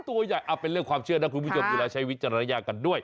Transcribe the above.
ตัวใหญ่เอาเป็นเรื่องความเชื่อนะคุณผู้ชมดูแล้วใช้วิจารณญากันด้วย